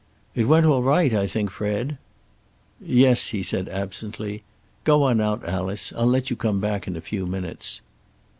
"It went all right, I think, Fred." "Yes," he said absently. "Go on out, Alice. I'll let you come back in a few minutes."